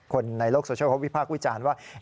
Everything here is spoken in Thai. คนในโลกโซเชียลเขาวิพากษ์วิจารณ์ว่า